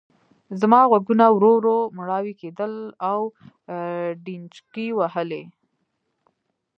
زما غوږونه ورو ورو مړاوي کېدل او ډينچکې وهلې.